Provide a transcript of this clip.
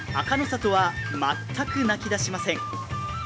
里は全く泣き出しません。